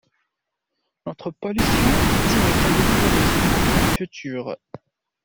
Notre pollution, c'est un cadeau pour les générations futures.